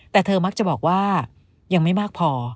แต่เธอมักจะบอกว่ายังไม่มากพอ